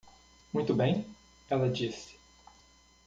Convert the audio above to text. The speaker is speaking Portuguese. Muito bem? ela disse.